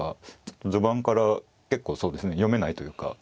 序盤から結構そうですね読めないというか。